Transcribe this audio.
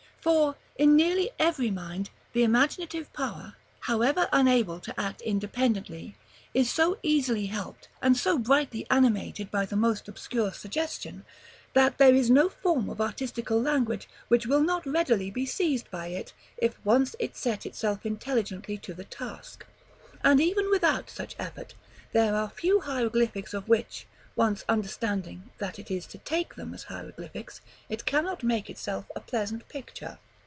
For, in nearly every mind, the imaginative power, however unable to act independently, is so easily helped and so brightly animated by the most obscure suggestion, that there is no form of artistical language which will not readily be seized by it, if once it set itself intelligently to the task; and even without such effort there are few hieroglyphics of which, once understanding that it is to take them as hieroglyphics, it cannot make itself a pleasant picture.